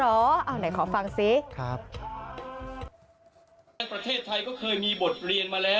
เอาหน่อยขอฟังสิพระเทศไทยก็เคยมีบทเรียนมาแล้ว